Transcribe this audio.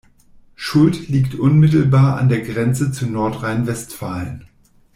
Schuld liegt unmittelbar an der Grenze zu Nordrhein-Westfalen.